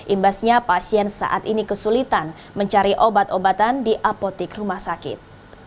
imbasnya pasien saat ini kesulitan mencari obat obatan di apotik rumah sakit